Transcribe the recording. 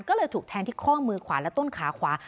ก็เลยถูกแทงที่ข้อมือขวาและต้นขาขวา